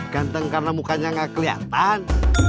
ganteng karena mukanya nggak kelihatan